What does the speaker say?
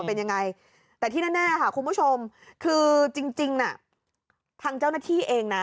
เป็นยังไงแต่ที่แน่ค่ะคุณผู้ชมคือจริงน่ะทางเจ้าหน้าที่เองนะ